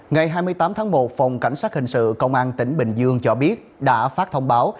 ngày hai mươi tám tháng một phòng cảnh sát hình sự công an tỉnh bình dương cho biết đã phát thông báo